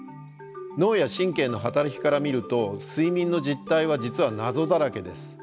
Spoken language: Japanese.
脳や神経の働きから見ると睡眠の実態は実は謎だらけです。